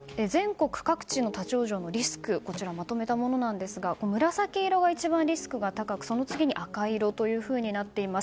そして、全国各地の立ち往生のリスクをまとめたものですが紫色が一番リスクが高くその次に赤い色というふうになっています。